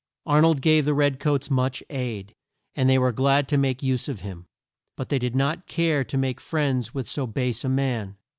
Ar nold gave the red coats much aid, and they were glad to make use of him. But they did not care to make friends with so base a man.